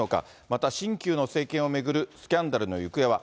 また新旧の政権を巡るスキャンダルの行方は。